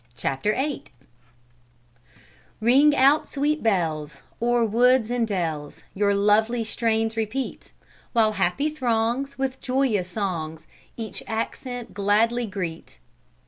CHAPTER VIII "Ring out, sweet bells, O'er woods and dells Your lovely strains repeat, While happy throngs With joyous songs Each accent gladly greet."